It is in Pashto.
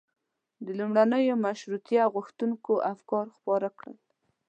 د لومړنیو مشروطیه غوښتونکيو افکار خپاره کړل.